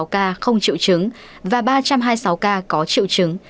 năm sáu trăm năm mươi sáu ca không triệu chứng và ba trăm hai mươi sáu ca có triệu chứng